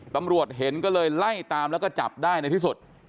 ตำรวจเห็นก็เลยไล่ตามแล้วก็จับได้ในที่สุด